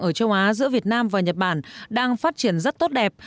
ở châu á giữa việt nam và nhật bản đang phát triển rất tốt đẹp